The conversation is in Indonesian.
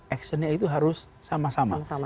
action nya itu harus sama sama